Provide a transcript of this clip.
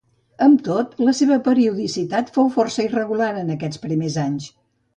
Amb tot, la seva periodicitat fou força irregular en aquests primers anys.